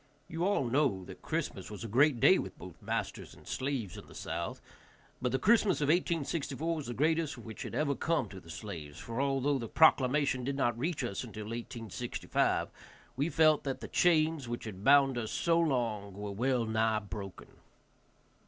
You all know that Christmas was a great day with both masters and slaves in the South, but the Christmas of 1864 was the greatest which had ever come to the slaves, for, although the proclamation did not reach us until 1865, we felt that the chains which had bound us so long were well nigh broken.